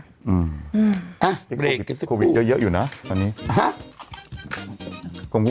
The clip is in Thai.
อืมอ่าเบรกกันสักครู่โควิดเยอะอยู่นะตอนนี้ฮะ